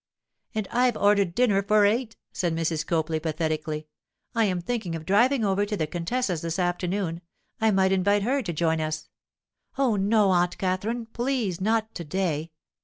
'And I've ordered dinner for eight!' said Mrs. Copley, pathetically. 'I am thinking of driving over to the contessa's this afternoon—I might invite her to join us.' 'Oh, no, Aunt Katherine! Please, not to day.